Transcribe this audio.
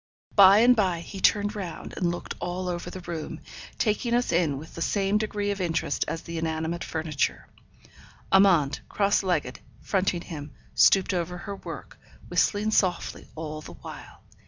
By and by he turned round, and looked all over the room, taking us in with about the same degree of interest as the inanimate furniture. Amante, cross legged, fronting him, stooped over her work, whistling softly all the while.